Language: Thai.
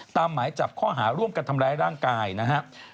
หมายจับข้อหาร่วมกันทำร้ายร่างกายนะครับ